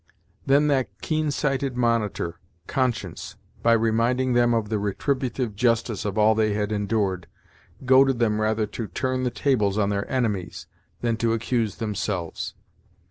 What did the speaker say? Then that keen sighted monitor, conscience, by reminding them of the retributive justice of all they had endured, goaded them rather to turn the tables on their enemies than to accuse themselves.